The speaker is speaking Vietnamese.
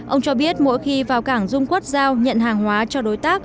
ông cho biết mỗi khi vào cảng dung quốc giao nhận hàng hóa cho đối tác